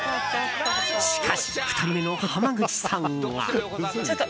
しかし２人目の濱口さんが。